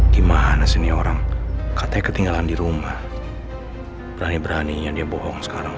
gimana sih orang katanya ketinggalan di rumah berani beraninya dia bohong sekarang